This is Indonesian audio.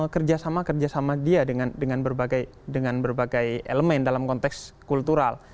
kerjasama kerjasama dia dengan dengan berbagai dengan berbagai elemen dalam konteks kultural